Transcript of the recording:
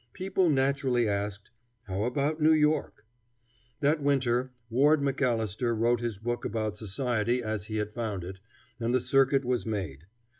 People naturally asked, "how about New York?" That winter Ward McAllister wrote his book about society as he had found it, and the circuit was made.